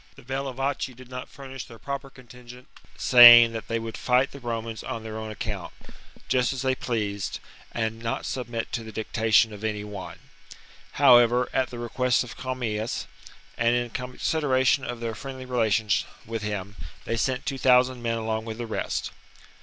'The Bellovaci did not furnish their proper contingent,^ saying that they would fight the Romans on their own account, just as they pleased, and not submit to the dictation of any one ; however, at the request of Commius, and in consideration of their friendly relations with him, they sent two thou sand men along with the rest.